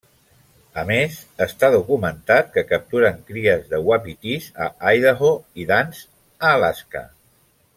A més, està documentat que capturen cries de uapitís a Idaho i d'ants a Alaska.